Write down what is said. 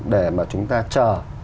để mà chúng ta chờ